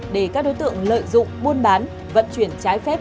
để các đối tượng lợi dụng buôn bán vận chuyển trái phép